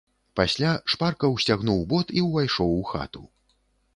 Пасля шпарка ўсцягнуў бот і ўвайшоў у хату.